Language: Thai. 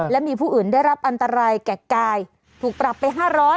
และมีผู้อื่นได้รับอันตรายแก่กายถูกปรับไป๕๐๐